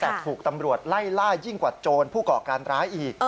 แต่ถูกตำรวจไล่ล่ายิ่งกว่าโจรผู้ก่อการร้ายอีก